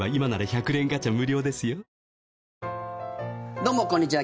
どうもこんにちは。